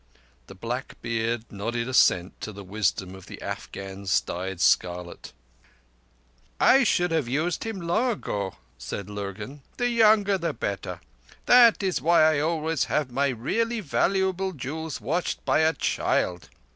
The black beard nodded assent to the wisdom of the Afghan's dyed scarlet. "I should have used him long ago," said Lurgan. "The younger the better. That is why I always have my really valuable jewels watched by a child.